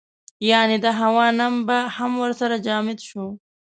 یعنې د هوا نم به هم ورسره جامد شو.